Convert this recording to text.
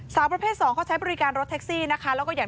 สาวประเภทสองเขาใช้บริการรถแท็กซี่นะคะ